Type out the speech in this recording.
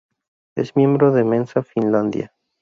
Es miembro de Mensa Finlandia.